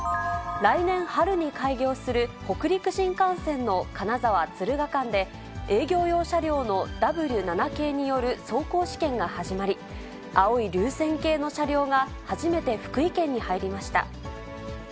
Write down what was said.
来年春に開業する北陸新幹線の金沢・敦賀間で、営業用車両のＷ７系による走行試験が始まり、青い流線形の車両が初めて福井県に入りました。